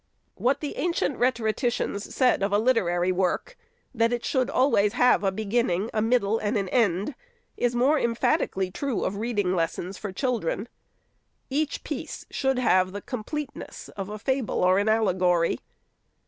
What the ancient rhetoricians said of a literary work, — that it should always have a beginning, a middle, and an end, — is more emphatically true of reading lessons for children. Each piece should have the completeness of a fable or an allegory.